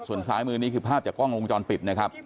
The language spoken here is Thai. ส่วนซ้ายมือนี้คือภาพจากกล้องวงจรปิดนะครับ